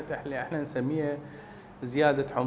ketika kita menggunakan ubat ubat ini